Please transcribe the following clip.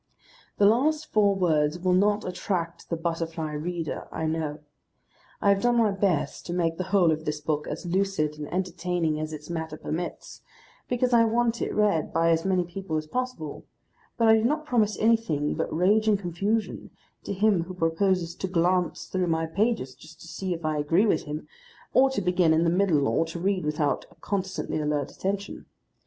The last four words will not attract the butterfly reader, I know. I have done my best to make the whole of this book as lucid and entertaining as its matter permits, because I want it read by as many people as possible, but I do not promise anything but rage and confusion to him who proposes to glance through my pages just to see if I agree with him, or to begin in the middle, or to read without a constantly alert attention.